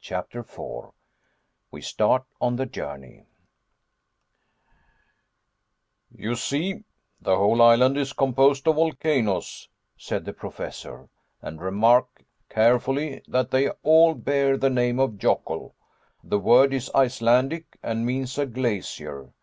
CHAPTER 4 WE START ON THE JOURNEY "You see, the whole island is composed of volcanoes," said the Professor, "and remark carefully that they all bear the name of Yocul. The word is Icelandic, and means a glacier.